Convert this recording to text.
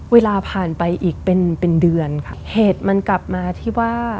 เวลาผ่านไปอีกเป็นเป็นเดือนค่ะเหตุมันกลับมาที่ว่า